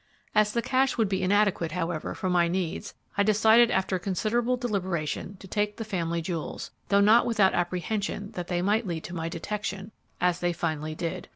As the cash would be inadequate, however, for my needs, I decided after considerable deliberation to take the family jewels, though not without apprehension that they might lead to my detection, as they finally did.